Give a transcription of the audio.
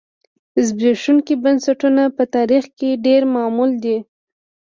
زبېښونکي بنسټونه په تاریخ کې ډېر معمول دي.